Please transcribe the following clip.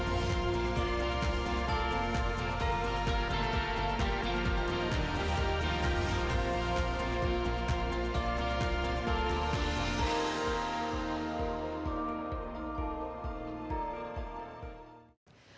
sampah plastik adalah sampah yang cukup sulit ditangani